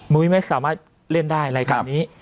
มุ้ยไม่สามารถเล่นได้อะไรกันนี้